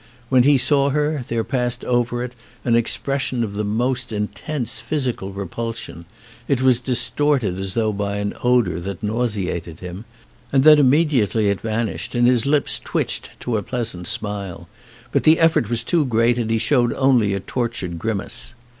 When he saw her there passed over it an expression of the most intense physical repulsion, it was distorted as though by an odour that nauseated him, and then immediately it van ished and his lips twitched to a pleasant smile; but the effort was too great and he showed only a tortured grimace.